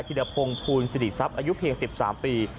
ธิรพงศ์ภูลสิริทรัพย์อายุเพียง๑๓ปี